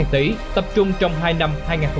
một trăm bảy mươi sáu tỷ tập trung trong hai năm